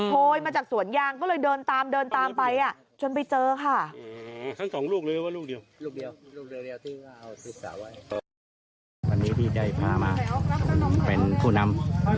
โทยมาจากสวนยางก็เลยเดินตามเดินตามไปอ่ะจนไปเจอค่ะ